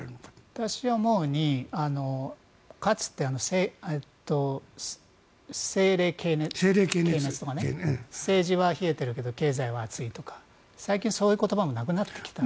私が思うにかつて政冷経熱とか政治は冷えているけど経済は熱いとか最近、そういう言葉もなくなってきた。